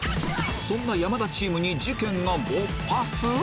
そんな山田チームに事件が勃発？